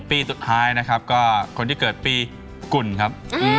ปีสุดท้ายนะครับก็คนที่เกิดปีกุ่นครับ